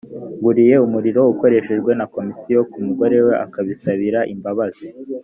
guriye umuriro ukoreshwa na komisiyo ku mugore we akabisabira imbabazi